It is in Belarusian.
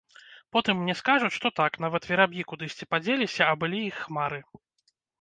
Потым мне скажуць, што, так, нават вераб'і кудысьці падзеліся, а былі іх хмары.